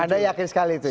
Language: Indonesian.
anda yakin sekali itu ya